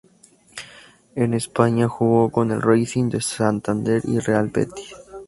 En España jugó con el Racing de Santander y Real Betis.